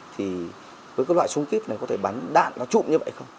thì với cái loại súng kíp này có thể bắn đạn nó trụm như vậy không